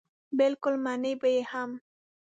بلکې منې به یې هم.